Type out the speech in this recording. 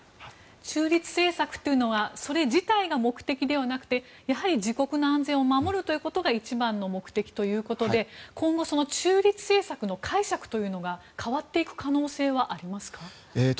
中立政策というのはそれ自体が目的ではなくてやはり自国の安全を守るということが一番の目的ということで今後、中立政策の解釈というのが変わっていく可能性はありますか。